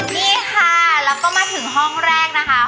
นี่ค่ะแล้วก็มาถึงห้องแรกนะคะ